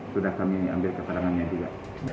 sudah kami ambil keterangannya juga